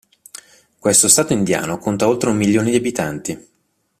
Questo Stato indiano conta oltre un milione di abitanti.